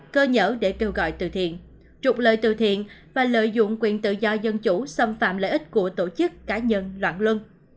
cơ nhở để kêu gọi từ thiện trục lợi từ thiện và lợi dụng quyền tự do dân chủ xâm phạm lợi ích của tổ chức cá nhân loạn luân